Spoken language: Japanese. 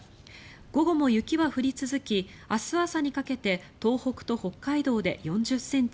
午後も雪は降り続き明日朝にかけて東北と北海道で４０ｃｍ